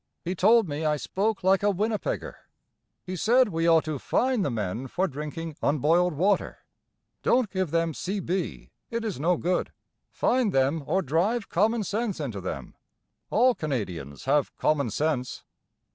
He told me I spoke like a Winnipeger. He said we ought to "fine the men for drinking unboiled water. Don't give them C.B.; it is no good. Fine them, or drive common sense into them. All Canadians have common sense."